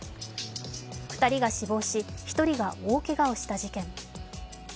２人が死亡し１人が大けがをした事件。